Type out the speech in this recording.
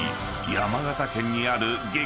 ［山形県にある激